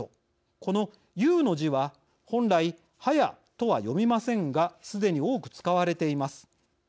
この「勇」の字は本来「ハヤ」とは読みませんがすでに多く使われています。